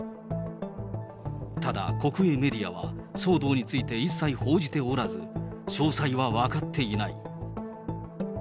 ただ、国営メディアは、騒動について一切報じておらず、詳細は分かっていない。